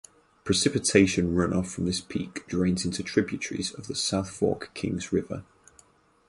Precipitation runoff from this peak drains into tributaries of the South Fork Kings River.